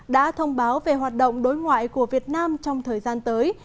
đã thông báo về hoạt động đối ngoại của việt nam trong thời gian tới